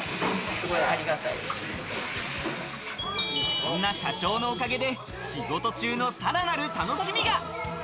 そんな社長のおかげで仕事中のさらなる楽しみが。